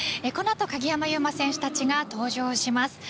この後、鍵山優真選手たちが登場します。